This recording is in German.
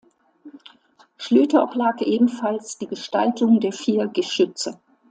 Schlüter oblag ebenfalls die Gestaltung der vier Geschütze.